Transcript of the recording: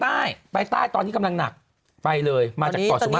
ใต้ไปใต้ตอนนี้กำลังหนักไปเลยมาจากเกาะสุเมฆ